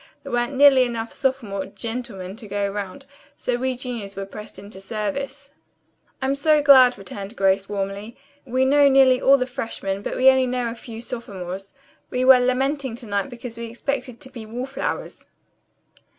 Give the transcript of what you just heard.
There weren't nearly enough sophomore 'gentlemen' to go round, so we juniors were pressed into service. "I'm so glad," returned Grace warmly. "We know nearly all the freshmen, but we know only a few sophomores. We were lamenting to night because we expected to be wall flowers."